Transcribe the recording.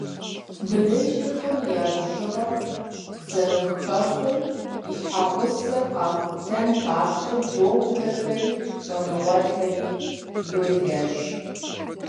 Быныншэхэм я бжыгъэр зэрыхэхъуэм и щхьэусыгъуэр къахутэн папщӏэ дохутырхэри щӏэныгъэлӏхэри йолэжь.